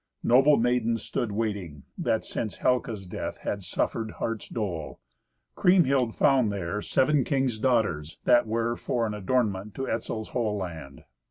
Noble maidens stood waiting, that since Helca's death had suffered heart's dole. Kriemhild found there seven kings' daughters that were for an adornment to Etzel's whole land.